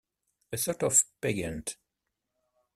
A sort of pageant.